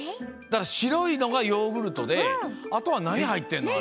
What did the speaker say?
しろいのがヨーグルトであとはなにはいってんの？